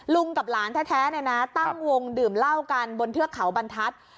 กับหลานแท้ตั้งวงดื่มเหล้ากันบนเทือกเขาบรรทัศน์